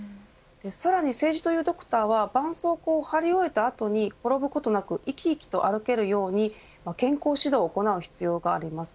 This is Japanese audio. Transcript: さらに政治というドクターはばんそうこうを貼り終えた後に転ぶことなく生き生きと歩けるように健康指導を行う必要があります。